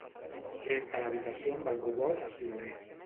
Renta l'habitació amb el robot aspirador.